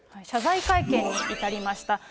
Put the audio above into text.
謝罪会見に至りました。